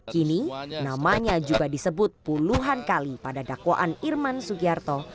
kini namanya juga disebut puluhan kali pada dakwaan irman sugiarto